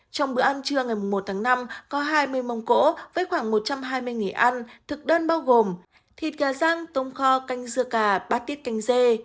trong bữa ăn trưa ngày một tháng năm có hai mươi mông cổ với khoảng một trăm hai mươi nghề ăn thực đơn bao gồm thịt gà răng tôm kho canh dưa cà bát tiết canh dê